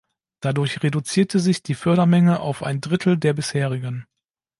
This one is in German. Dadurch reduzierte sich die Fördermenge auf ein Drittel der bisherigen.